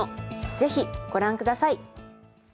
ぜひご覧ください！